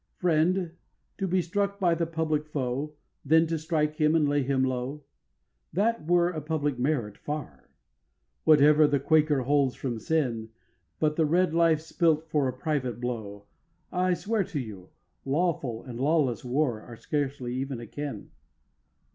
10. Friend, to be struck by the public foe, Then to strike him and lay him low, That were a public merit, far, Whatever the Quaker holds, from sin; But the red life spilt for a private blow I swear to you, lawful and lawless war Are scarcely even akin.